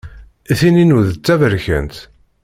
Tin-inu d taberkant!